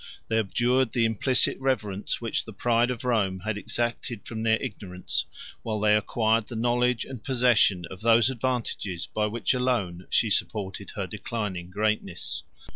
They abjured the implicit reverence which the pride of Rome had exacted from their ignorance, while they acquired the knowledge and possession of those advantages by which alone she supported her declining greatness.